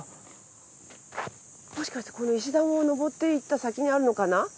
もしかしてこの石段を上って行った先にあるのかな？